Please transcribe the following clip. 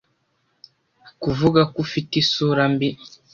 kuvuga ko ufite isura mbi